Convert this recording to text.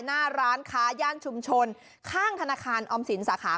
หน้าร้านค้าย่านชุมชนข้างธนาคารออมสินสาขา